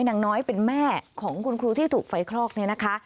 นางน้อยเป็นแม่ของคุณครูที่ถูกไฟคลอกเนี่ยนะคะ